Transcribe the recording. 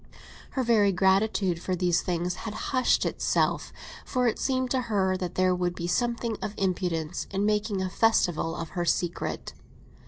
Her very gratitude for these things had hushed itself; for it seemed to her that there would be something of impudence in making a festival of her secret.